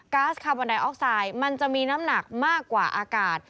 ๊าซคาร์บอนไดออกไซด์มันจะมีน้ำหนักมากกว่าอากาศ